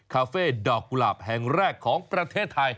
คาเฟ่ดอกกุหลาบแห่งแรกของประเทศไทย